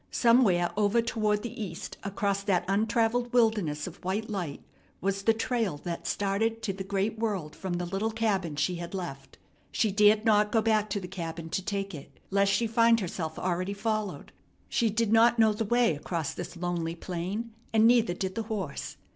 Somewhere over toward the east across that untravelled wilderness of white light was the trail that started to the great world from the little cabin she had left. She dared not go back to the cabin to take it, lest she find herself already followed. She did not know the way across this lonely plain, and neither did the horse.